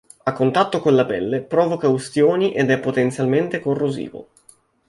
A contatto con la pelle provoca ustioni ed è potenzialmente corrosivo.